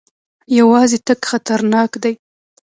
یوازې تګ خطرناک دی.